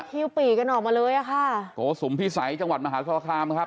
ฮิวปี่กันออกมาเลยอ่ะค่ะโกสุมพิสัยจังหวัดมหาสรคามครับ